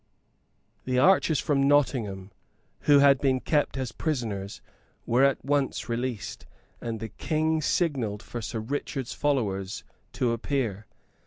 The archers from Nottingham who had been held as prisoners were at once released, and the King signalled for Sir Richard's followers to appear.